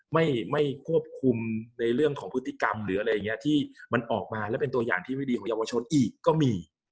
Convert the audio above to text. ไม่ควบคุมในเรื่องของพฤติกรรมหรืออะไรอย่างนี้ที่มันออกมาและเป็นตัวอย่างที่ไม่ดีของเยาวชนอีกก็มี